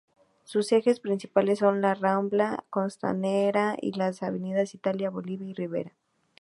Sus ejes principales son: la rambla costanera y las avenidas Italia, Bolivia, y Rivera.